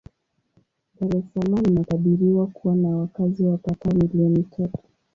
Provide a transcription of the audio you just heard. Dar es Salaam inakadiriwa kuwa na wakazi wapatao milioni tatu.